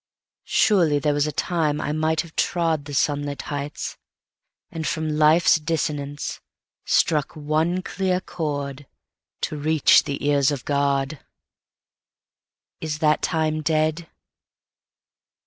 Surely there was a time I might have trodThe sunlit heights, and from life's dissonanceStruck one clear chord to reach the ears of God:Is that tine dead?